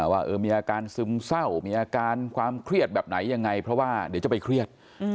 ว่ามีอาการซึมเศร้ามีอาการความเครียดแบบไหนยังไงเพราะว่าเดี๋ยวจะไปเครียด